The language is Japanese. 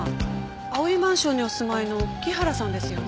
葵マンションにお住まいの木原さんですよね？